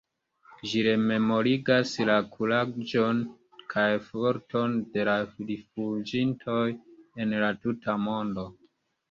Ĝi rememorigas la kuraĝon kaj forton de la rifuĝintoj en la tuta mondo.